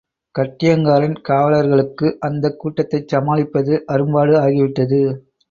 கட்டியங்காரன் காவலர்களுக்கு அந்தக் கூட்டத்தைச் சமாளிப்பது அரும்பாடு ஆகிவிட்டது.